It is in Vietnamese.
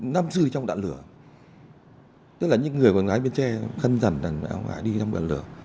năm dư trong đạn lửa tức là những người của ngãi biên tre khăn rằn ngãi đi trong đạn lửa